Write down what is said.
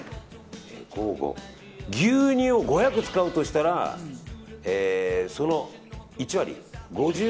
牛乳を５００使うとしたらその１割。